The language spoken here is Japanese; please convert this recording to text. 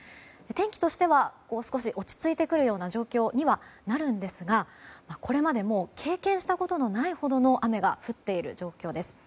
天気としては少し落ち着いてくる状況にはなるんですがこれまでも経験したことのないほどの雨が降っている状況です。